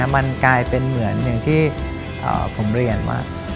มันกลายเป็นเหมือนอย่างที่ผมเรียนว่า